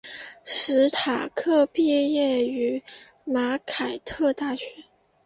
史塔克毕业于马凯特大学。